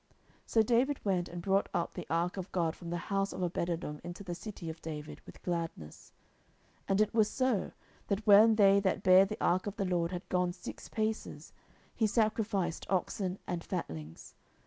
So David went and brought up the ark of God from the house of Obededom into the city of David with gladness. 10:006:013 And it was so, that when they that bare the ark of the LORD had gone six paces, he sacrificed oxen and fatlings.